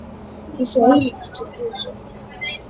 Kiswahili kitukuzwe